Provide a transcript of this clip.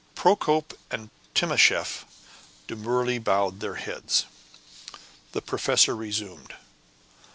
Procope and Timascheff demurely bowed their heads. The professor resumed.